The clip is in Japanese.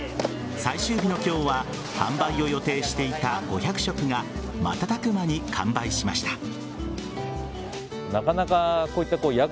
最終日の今日は販売を予定していた５００食が瞬く間に完売しました。